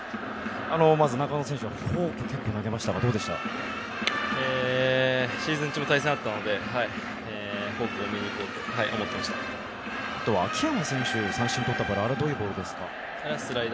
まず中野選手にフォークを結構投げましたがシーズン中も対戦があったのでフォークを多めにいこうと秋山選手、三振をとったのはあれはどういうボールですか？